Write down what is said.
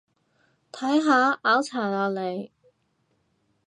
睇下，拗柴喇你